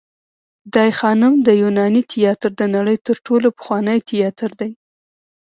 د آی خانم د یوناني تیاتر د نړۍ تر ټولو پخوانی تیاتر دی